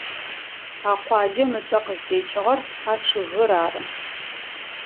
А къуаджэм ыцӏэ къызтекӏыгъэр а чъыгыр ары.